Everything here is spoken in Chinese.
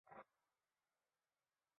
并在将来实现全面国产化。